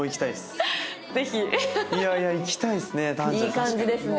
いい感じですね。